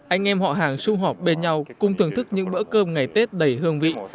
anh em họ hàng xung họp bên nhau cùng thưởng thức những bữa cơm ngày tết đầy hương vị